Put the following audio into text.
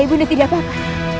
ibunya tidak apa apa